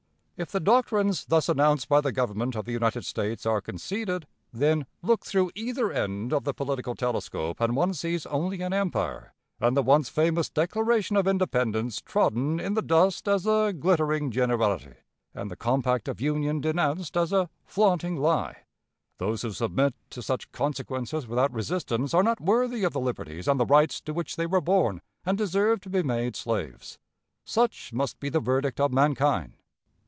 If the doctrines thus announced by the Government of the United States are conceded, then, look through either end of the political telescope, and one sees only an empire, and the once famous Declaration of Independence trodden in the dust as a "glittering generality," and the compact of union denounced as a "flaunting lie." Those who submit to such consequences without resistance are not worthy of the liberties and the rights to which they were born, and deserve to be made slaves. Such must be the verdict of mankind.